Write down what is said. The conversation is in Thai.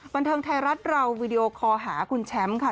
บันเทิงไทยรัฐเราวีดีโอคอลหาคุณแชมป์ค่ะ